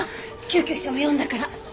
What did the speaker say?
救急車も呼んだから。